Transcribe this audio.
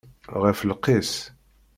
Ɣef lqis!